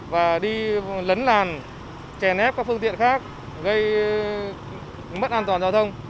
và đi lấn làn chèn ép các phương tiện khác gây mất an toàn giao thông